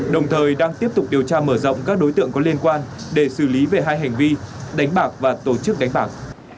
đồng thời đang tiếp tục điều tra mở rộng các đối tượng có liên quan để xử lý về hai hành vi đánh bạc và tổ chức đánh bạc